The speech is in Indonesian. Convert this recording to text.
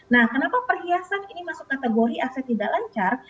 nah kenapa perhiasan ini masuk kategori aset tidak lancar